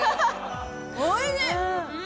おいしい！